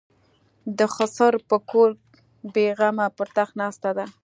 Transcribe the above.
د خسر په کور بېغمه پر تخت ناسته ده.